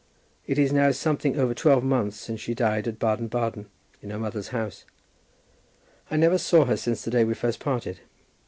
It is now something over twelve months since she died at Baden Baden in her mother's house. I never saw her since the day we first parted.